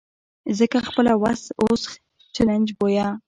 ځکه خپله وسه اوس چلنج بویه.